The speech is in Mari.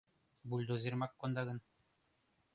Бульдозерымак конда гын?..